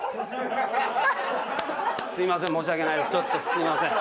すみません。